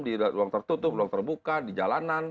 di ruang tertutup ruang terbuka di jalanan